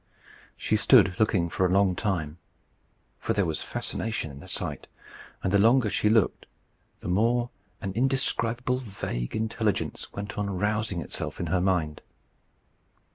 She stood looking for a long time, for there was fascination in the sight; and the longer she looked the more an indescribable vague intelligence went on rousing itself in her mind.